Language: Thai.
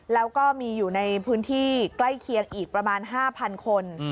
แล้วก็มีอยู่ในพื้นที่ใกล้เคียงอีกประมาณ๕๐๐คน